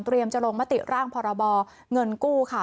จะลงมติร่างพรบเงินกู้ค่ะ